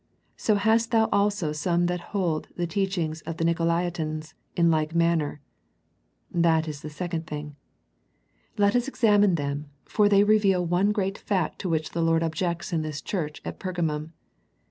So hast thou also some that hold the teaching of the Nicolaitans in like manner." That is the second thing. Let us examine them for they reveal one great fact to which the Lord objects in this church at Pergamum.